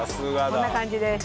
こんな感じです。